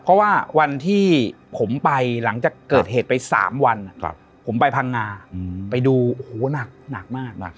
เพราะว่าวันที่ผมไปหลังจากเกิดเหตุไป๓วันผมไปพังงาไปดูโอ้โหหนักมากหนัก